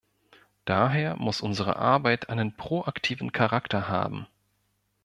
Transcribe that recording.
Daher muss unsere Arbeit einen proaktiven Charakter haben.